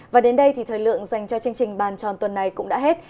và đến đây thì thời lượng dành cho chương trình bàn tròn tuần này cũng đã hết